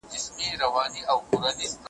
ارغوان هغسي ښکلی په خپل رنګ زړو ته منلی ,